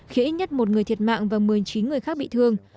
khiến ít nhất một người thiệt mạng và một mươi chín người khác bị thương